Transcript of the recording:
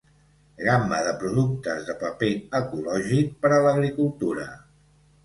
Gamma de productes de paper ecològic per a l'agricultura.